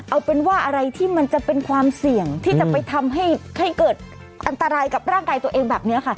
เอาเป็นว่าอะไรที่มันจะเป็นความเสี่ยงที่จะไปทำให้เกิดอันตรายกับร่างกายตัวเองแบบนี้ค่ะ